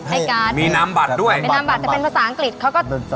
ให้การ์ดมีน้ำบัตรด้วยน้ำบัตรแต่เป็นภาษาอังกฤษ